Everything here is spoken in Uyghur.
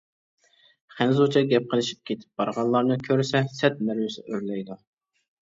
خەنزۇچە گەپ قىلىشىپ كېتىپ بارغانلارنى كۆرسە سەت نېرۋىسى ئۆرلەيدۇ.